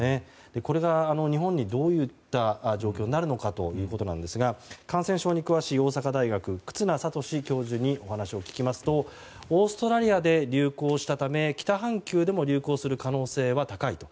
これが、日本へどういった状況になるのかということですが感染症に詳しい大阪大学、忽那賢志教授にお話を聞きますとオーストラリアで流行したため北半球でも流行する可能性は高いと。